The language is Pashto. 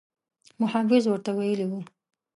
محافظ ورته ویلي وو.